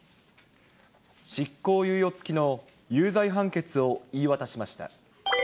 執行猶予付きの有罪判決を言い渡しました。